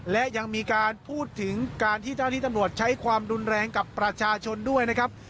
และยังมีการพูดถึงการที่เจ้าที่ตำรวจใช้ความรุนแรงกับประชาชนด้วยนะครับ